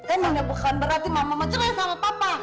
emangnya bukan berarti mama mau jerai sama papa